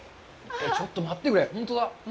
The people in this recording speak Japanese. ちょっと待ってくれ、本当だ。